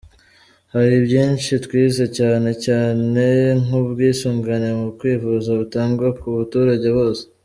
Hari byinshi twize cyane cyane nk’ubwisungane mu kwivuza butangwa ku baturage bose.